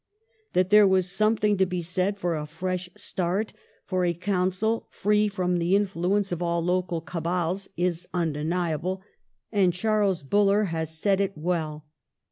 That there was something to be said for a fresh start, for a 'council " free from the influence of all local cabals," is undeniable ; and Charles Buller has said it well.